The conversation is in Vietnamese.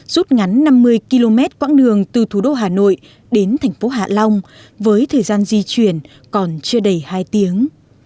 rút ngắn năm mươi km quãng đường từ thủ đô hà nội đến thành phố hạ long với thời gian di chuyển còn chưa đầy hai tiếng